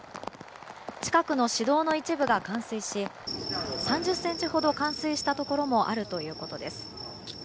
近くの市道の一部が冠水し３０ｃｍほど冠水したところもあるということです。